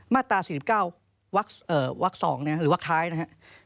มาตรา๔๙วัก๒หรือวักท้ายนะฮะ